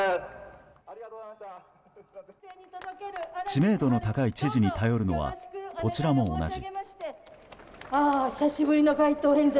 知名度の高い知事に頼るのはこちらも同じ。